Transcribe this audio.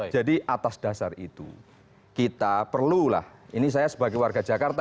jadi atas dasar itu kita perlulah ini saya sebagai warga jakarta